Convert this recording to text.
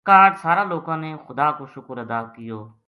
کاہڈ سارا لوکاں نے خدا کو شُکر ادا کیو